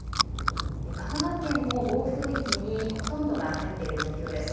香川県も暴風域にほとんどが入っている状況です。